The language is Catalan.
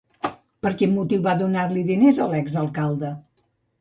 Per quin motiu va donar-li diners a l'exalcalde?